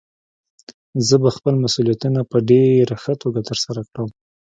زه به خپل مسؤليتونه په ډېره ښه توګه ترسره کړم.